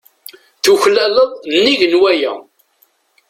Tuklaleḍ nnig n waya.